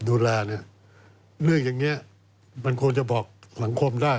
ดูแลเนี่ยเรื่องอย่างนี้มันควรจะบอกสังคมได้